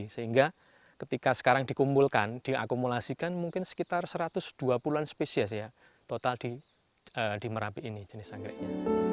sehingga ketika sekarang dikumpulkan diakumulasikan mungkin sekitar satu ratus dua puluh an spesies ya total di merapi ini jenis anggreknya